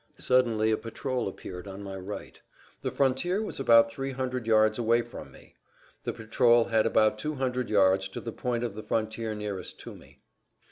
Suddenly a patrol appeared on my right. The frontier was about three hundred yards away from me. The patrol had about two hundred yards to the point of the frontier nearest to me.